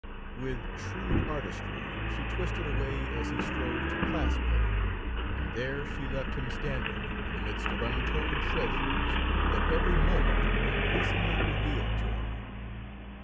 With shrewd artistry she twisted away as he strove to clasp her, and there she left him standing, in the midst of untold treasures that every moment were increasingly revealed to him.